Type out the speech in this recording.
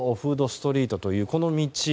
ストリートというこの道。